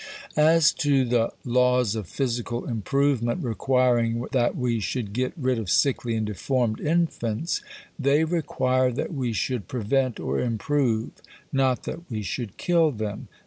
As to the "laws of physical improvement requiring that we should get rid of sickly and deformed infants," they require that we should prevent or improve, not that we should kill them.